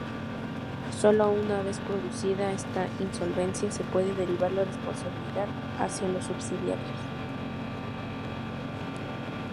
Solo una vez producida esta insolvencia se puede derivar la responsabilidad hacia los subsidiarios.